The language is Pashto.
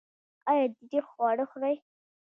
ایا تریخ خواړه خورئ؟